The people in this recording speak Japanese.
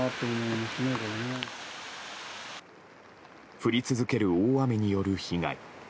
降り続ける大雨による被害。